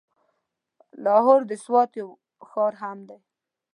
لاهور د سوات يو ښار هم دی.